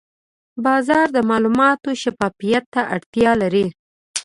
بازار د معلوماتو شفافیت ته اړتیا لري.